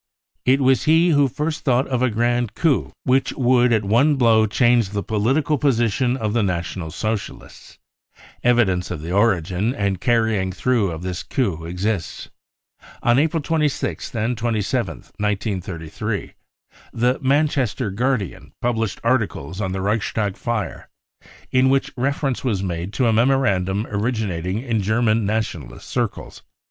OF THE HITLE'R TERROR # It was he who first thought of a gra nd^coup which would at one blow change the political position of the National Socialists, Evidence of the origin and carrying through of this coup exists. On April 26th and 27th, 1933, the Manchester Guardian published articles on the Reichstag fire in which reference was made to a memorandum originating in German Nationalist circles.